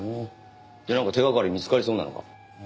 でなんか手掛かり見つかりそうなのか？